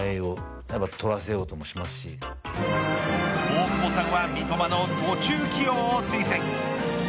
大久保さんは三笘の途中起用を推薦。